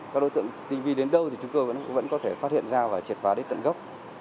các đối tượng tinh vi đến đâu thì chúng tôi vẫn có thể phát hiện ra và triệt phá đến tận gốc